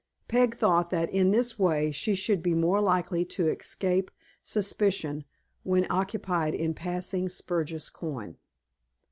Peg thought that in this way she should be more likely to escape suspicion when occupied in passing spurious coin.